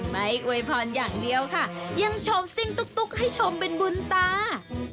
ไมค์เวยพรอย่างเดียวค่ะยังชมสิ้นตุ๊กให้ชมเป็นบุญตา